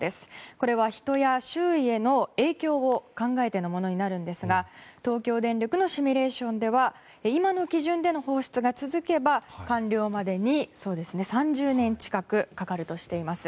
これは人や周囲への影響を考えてのものになるんですが東京電力のシミュレーションでは今の基準での放出が続けば完了までに３０年近くかかるとしています。